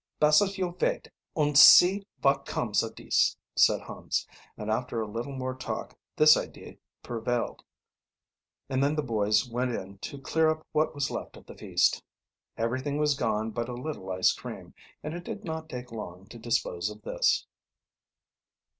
"Besser you vait und see vot comes of dis," said Hans, and after a little more talk this idea prevailed, and then the boys went in to clear up what was left of the feast. Everything was gone but a little ice cream, and it did not take long to dispose of this.